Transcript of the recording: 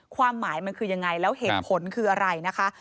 ความหมายมันคือยังไงแล้วเหตุผลคืออะไรนะคะ